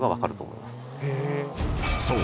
［そう！